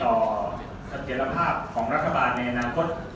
ต่อสังเกียรติภาพของรัฐบาลในอนาคต